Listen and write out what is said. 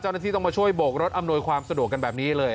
เจ้าหน้าที่ต้องมาช่วยโบกรถอำนวยความสะดวกกันแบบนี้เลย